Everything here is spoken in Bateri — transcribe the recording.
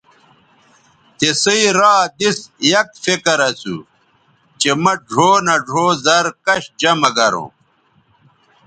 تِسئ را دِس یک فکر اسُو چہء مہ ڙھؤ نہ ڙھؤ زَر کش جمہ گروں